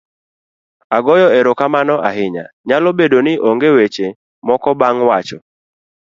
agoyo erokamano ahinya. nyalo bedo ni onge weche moko bang' wacho